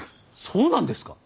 そうなんですか！